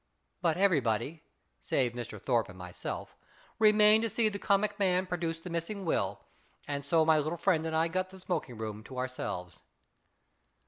But everybody, save Mr. Thorpe and myself, re mained to see the comic man produce the missing will, and so my little friend and I got the smoking room to ourselves.